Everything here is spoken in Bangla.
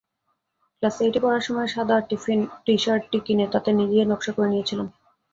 ক্লাস এইটে পড়ার সময় সাদা টি-শার্ট কিনে তাতে নিজেই নকশা করে নিয়েছিলাম।